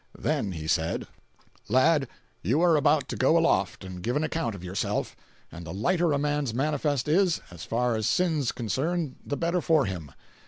Then he said: "Lad, you are about to go aloft and give an account of yourself; and the lighter a man's manifest is, as far as sin's concerned, the better for him.